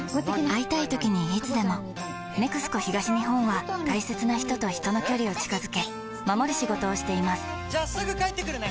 会いたいときにいつでも「ＮＥＸＣＯ東日本」は大切な人と人の距離を近づけ守る仕事をしていますじゃあすぐ帰ってくるね！